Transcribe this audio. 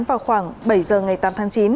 vào khoảng bảy h ngày tám tháng chín